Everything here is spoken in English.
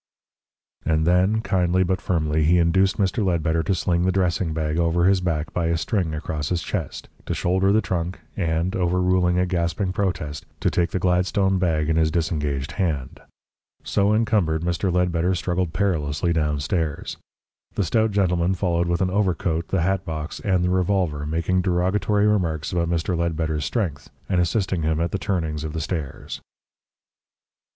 And then kindly, but firmly, he induced Mr. Ledbetter to sling the dressing bag over his back by a string across his chest, to shoulder the trunk, and, overruling a gasping protest, to take the Gladstone bag in his disengaged hand. So encumbered, Mr. Ledbetter struggled perilously downstairs. The stout gentleman followed with an overcoat, the hatbox, and the revolver, making derogatory remarks about Mr. Ledbetter's strength, and assisting him at the turnings of the stairs.